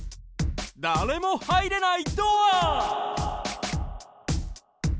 だれもはいれないドア！